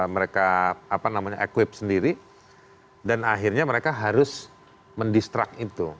mereka equip sendiri dan akhirnya mereka harus mendistruct itu